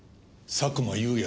佐久間有也？